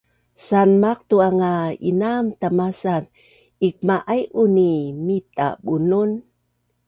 Sanmaqtu’ang a inaam tamasaz ikma’aiun i mita bunun